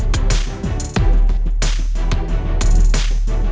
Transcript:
cuma untuk bisa grafikin terhadap biksu